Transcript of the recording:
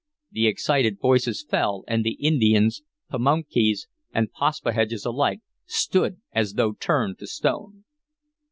The excited voices fell, and the Indians, Pamunkeys and Paspaheghs alike, stood as though turned to stone.